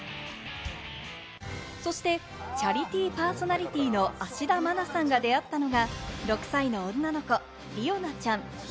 そして、チャリティーパーソナリティーの芦田愛菜さんが出会ったのが、６歳の女の子・理央奈ちゃん。